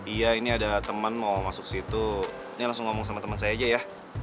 iya ini ada teman mau masuk situ ini langsung ngomong sama teman saya aja ya